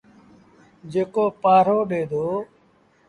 جيڪو پآهرو ڏي دو۔